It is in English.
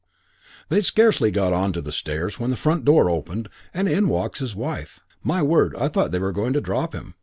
"They'd scarcely got on to the stairs when the front door opened and in walks his wife. My word, I thought they were going to drop him.